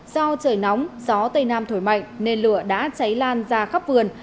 do trời nóng gió tây nam thổi mạnh nên lửa đã cháy lan ra khắp vườn